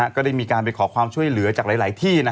ก็ได้มีการไปขอความช่วยเหลือจากหลายที่